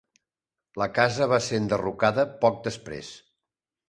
La casa va ser enderrocada poc després.